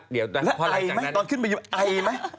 เดี๋ยวพอหลังจากนั้นแล้วไอมั้ยตอนขึ้นไปอยู่ไอมั้ย